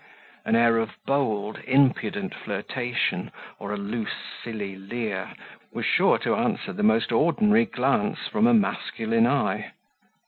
An air of bold, impudent flirtation, or a loose, silly leer, was sure to answer the most ordinary glance from a masculine eye.